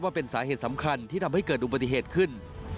ว่าเป็นสาเหตุสำคัญที่ทำให้เกิดอุบัติเหตุขึ้น